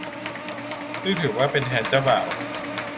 ซึ่งถือว่าเป็นแทนเจ้าบ่าว